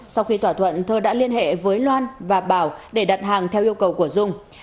sau khi thỏa thuận thơ đã liên hệ với loan và bảo để đặt hàng theo yêu cầu của dung